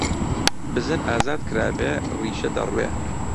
بزن ئازاد کرابێ، ڕیشە دەڕوێ!